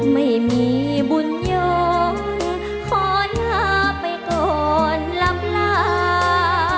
ไม่มีบุญย้อนขอหนะไปก่อนลับลา